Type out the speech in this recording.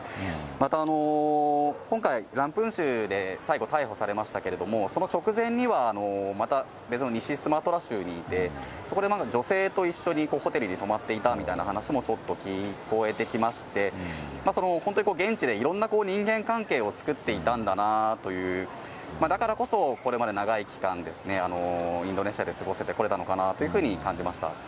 また今回、ランプン州で最後逮捕されましたけれども、その直前には、また別の西スマトラ州にいて、そこで女性と一緒にホテルに泊まっていたみたいな話もちょっと聞こえてきまして、本当に現地でいろんな人間関係を作っていたんだなという、だからこそ、これまで長い期間、インドネシアで過ごせてこれたのかなというふうに感じました。